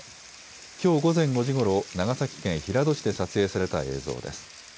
きょう午前５時ごろ長崎県平戸市で撮影された映像です。